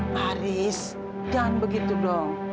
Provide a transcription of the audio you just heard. haris jangan begitu dong